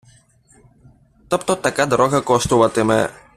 Тобто така дорога коштуватиме